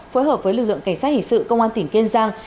phối hợp với lực lượng cảnh sát hình sự công an tỉnh kiên giang